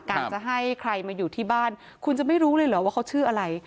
การจะให้ใครมาอยู่ที่บ้านคุณจะไม่รู้เลยเหรอว่าเขาชื่ออะไร